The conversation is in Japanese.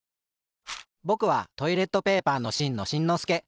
ぼくはトイレットペーパーのしんのしんのすけ。